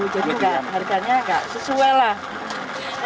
jadi harganya tidak sesuai